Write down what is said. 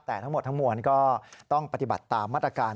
แต่ทั้งหมดทั้งมวลก็ต้องปฏิบัติตามมาตรการ